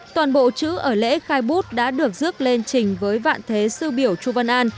toàn bộ chữ ở lễ khai bút đã được rước lên trình với vạn thế sư biểu chu văn an